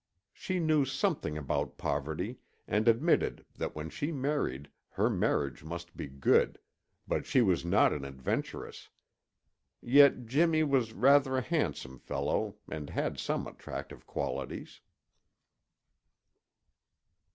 She knew something about poverty and admitted that when she married her marriage must be good, but she was not an adventuress. Yet Jimmy was rather a handsome fellow and had some attractive qualities.